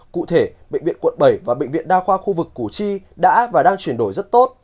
cụ thể bệnh viện quận bảy và bệnh viện đa khoa khu vực củ chi đã và đang chuyển đổi rất tốt